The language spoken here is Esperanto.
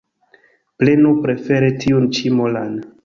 Prenu prefere tiun ĉi molan